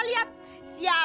oh ini dia